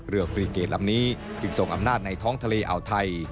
ฟรีเกดลำนี้จึงทรงอำนาจในท้องทะเลอ่าวไทย